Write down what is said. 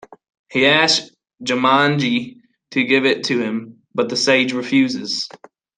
He asks Jamadagni to give it to him, but the sage refuses.